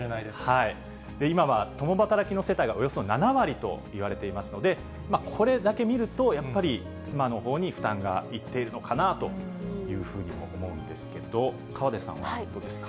今は共働きの世帯が、およそ７割といわれていますので、これだけ見ると、やっぱり妻のほうに負担がいっているのかなというふうにも思うんですけど、河出さん、どうですか。